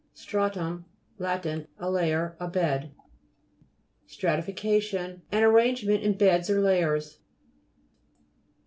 STRA'TUM Lat. A layer, a bed. STRATTFICA'TION An arrangement in beds or layers.